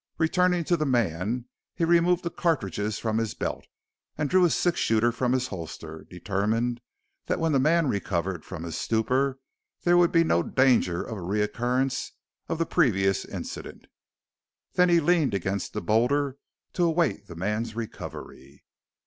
Returning to the man he removed the cartridges from his belt and drew his six shooter from its holster, determined that when the man recovered from his stupor there would be no danger of a recurrence of the previous incident. Then he leaned against the boulder to await the man's recovery.